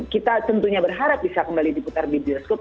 kita tentunya berharap bisa kembali diputar di bioskop